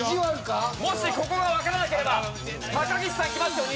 もしここがわからなければ高岸さんきますよ